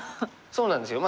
そうなんですよ。